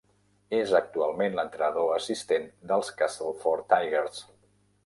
És actualment l'entrenador assistent dels Castleford Tigers.